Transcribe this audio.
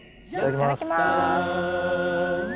いただきます。